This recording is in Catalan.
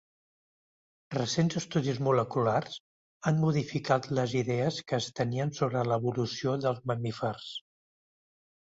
Recents estudis moleculars han modificat les idees que es tenien sobre l'evolució dels mamífers.